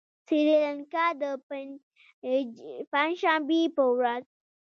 سريلانکا د پنجشنبې په ورځ